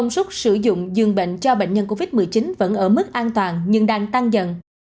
sức sử dụng dường bệnh cho bệnh nhân covid một mươi chín vẫn ở mức an toàn nhưng đang tăng dần